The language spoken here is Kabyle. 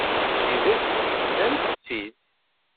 Tidet, nnant-tt-id.